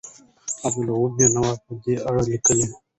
عبدالرؤف بېنوا په دې اړه لیکي.